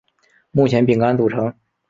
目前饼干组成。